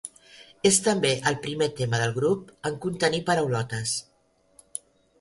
És també el primer tema del grup en contenir paraulotes.